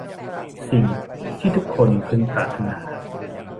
สิ่งที่ทุกคนพึงปรารถนา